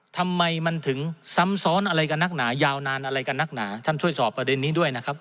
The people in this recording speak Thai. ทำไมมันถึงซ้ำซ้อนอะไรกับนักหนายาวนานอะไรกับนักหนาท่านช่วยสอบประเด็นนี้ด้วยนะครับ